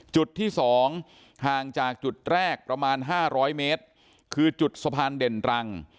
จุดที่สองห่างจากจุดแรกประมาณ๕๐๐เมตรคือจุดสะพานเด่นรัง